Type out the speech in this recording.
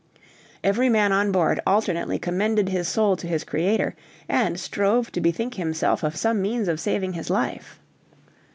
Every man on board alternately commended his soul to his Creator, and strove to bethink himself of some means of saving his life.